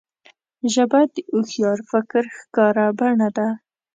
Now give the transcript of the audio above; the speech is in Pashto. ژبه د هوښیار فکر ښکاره بڼه ده